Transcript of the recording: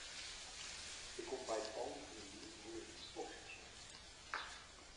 Ik kom by it fallen fan 'e jûn soms wol ris in foks tsjin.